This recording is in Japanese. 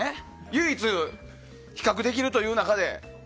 唯一、比較できるという中で。